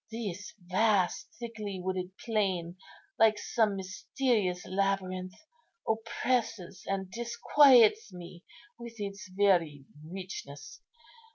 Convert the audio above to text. This vast thickly wooded plain, like some mysterious labyrinth, oppresses and disquiets me with its very richness.